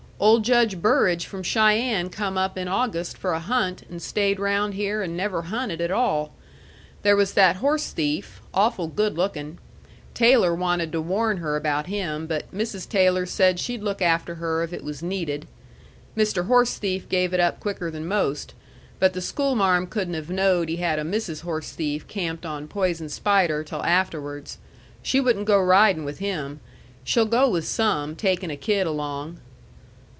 Old Judge Burrage from Cheyenne come up in August for a hunt and stayed round here and never hunted at all. There was that horse thief awful good lookin'. Taylor wanted to warn her about him, but Mrs. Taylor said she'd look after her if it was needed. Mr. Horse thief gave it up quicker than most; but the schoolmarm couldn't have knowed he had a Mrs. Horse thief camped on Poison Spider till afterwards. She wouldn't go ridin' with him. She'll go with some, takin' a kid along."